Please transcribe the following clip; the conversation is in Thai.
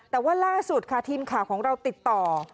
แต่ว่าล่าสุดค่ะทีมข่าวของเราติดต่อ